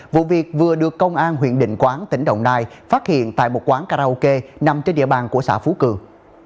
vụ việc vừa được công an huyện định quán tỉnh đồng nai phát hiện tại một quán karaoke nằm trên địa bàn của xã phú cường